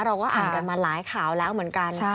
เราก็อ่านกันมาหลายข่าวแล้วเหมือนกัน